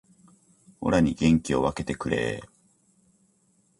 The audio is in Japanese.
オラに元気を分けてくれー